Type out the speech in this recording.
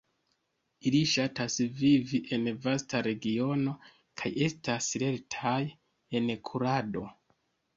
Ili ŝatas vivi en vasta regiono kaj estas lertaj en kurado.